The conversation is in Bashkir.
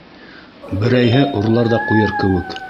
Берәйһе урлар ҙа ҡуйыр кеүек.